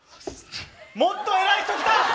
もっと偉い人来た！